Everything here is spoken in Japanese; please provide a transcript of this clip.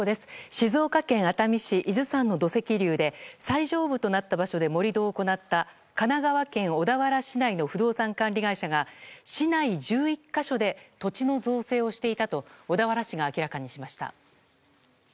静岡県熱海市伊豆山の土石流で最上部となった場所で盛り土を行った神奈川県小田原市の不動産管理会社が市内１１か所で土地の造成をしていたと小田原市が明らかにしました。